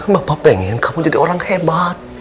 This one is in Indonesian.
bapak pengen kamu jadi orang hebat